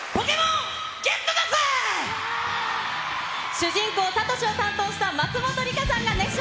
主人公、サトシを担当した松本梨香さんが熱唱。